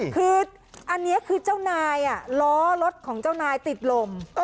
คืออันนี้คือเจ้านายล้อรถของเจ้านายติดลม